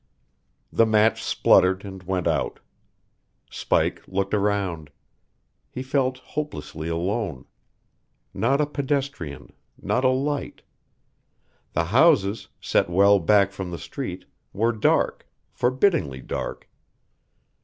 The match spluttered and went out. Spike looked around. He felt hopelessly alone. Not a pedestrian; not a light. The houses, set well back from the street, were dark, forbiddingly dark.